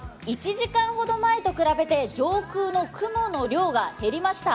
１時間ほど前と比べて上空の雲の量が減りました。